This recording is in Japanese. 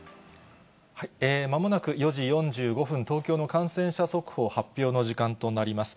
まもなく４時４５分、東京の感染者速報発表の時間となります。